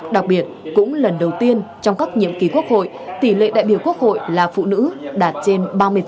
đặc biệt cũng lần đầu tiên trong các nhiệm kỳ quốc hội tỷ lệ đại biểu quốc hội là phụ nữ đạt trên ba mươi